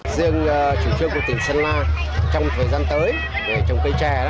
riêng chủ trương của tỉnh sơn la trong thời gian tới về trồng cây trè đó